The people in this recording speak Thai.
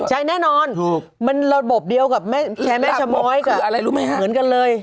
ใช่แน่นอนมันระบบเดียวกับแม่ชะม้อยเหมือนกันเลย